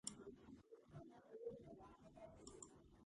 მას ჰყავს ოთხი წლით უფროსი ძმა.